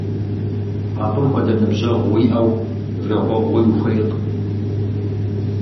Абы хуэдэ ныбжьэгъу уиӏэу жэгъуэгъуи ухуейкъым.